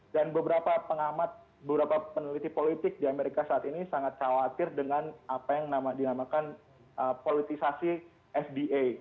dan beberapa pengamat beberapa peneliti politik di amerika saat ini sangat khawatir dengan apa yang dinamakan politisasi fda